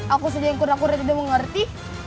aku saja yang kurang kurang tidak mengerti